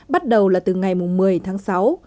bắt đầu là từ ngày một mươi tháng sáu